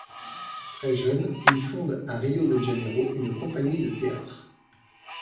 Très jeune, il fonde à Rio de Janeiro une compagnie de théâtre.